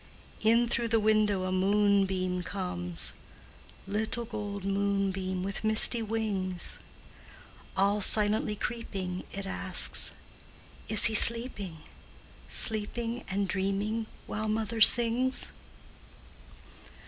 In through the window a moonbeam comes, Little gold moonbeam with misty wings; All silently creeping, it asks, "Is he sleeping Sleeping and dreaming while mother sings?"